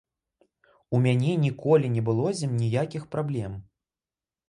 У мяне ніколі не было з ім ніякіх праблем.